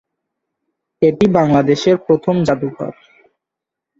এটি বাংলাদেশের প্রথম জাদুঘর।